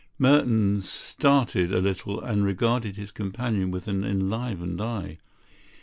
Merton started a little and regarded his companion with an enlivened eye.